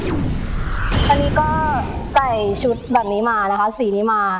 อันนี้ก็ใส่ชุดแบบนี้มานะคะสีนี้มา